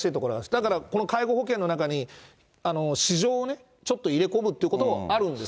だからこの介護保険の中に、市場をちょっと入れ込むということもあるんです。